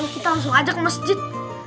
kita langsung aja ke masjid